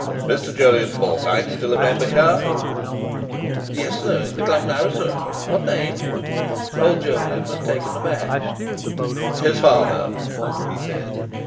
"Mr. Jolyon Forsyte still a member here?" "Yes, sir; in the Club now, sir. What name?" Old Jolyon was taken aback. "His father," he said.